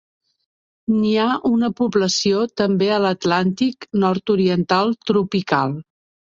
N'hi ha una població també a l'Atlàntic nord-oriental tropical.